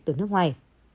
từ nước ngoài